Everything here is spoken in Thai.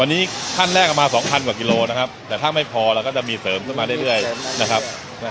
อันนี้ขั้นแรกเอามา๒๐๐กว่ากิโลนะครับแต่ถ้าไม่พอเราก็จะมีเสริมขึ้นมาเรื่อยนะครับ